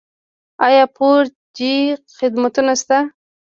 آیا فور جي خدمتونه شته؟